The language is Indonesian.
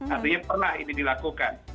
artinya pernah ini dilakukan